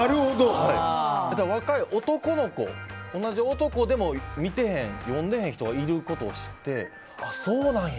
若い男の子、同じ男でも見てへん、読んでへん人がいることを知ってそうなんや！